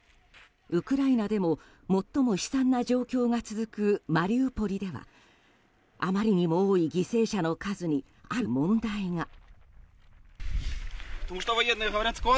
ウクライナでも最も悲惨な状況が続くマリウポリでもあまりにも多い犠牲者の数にある問題が。